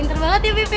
pinter banget ya bebep